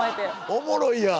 おもろいやん。